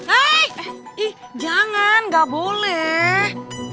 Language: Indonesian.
eh jangan gak boleh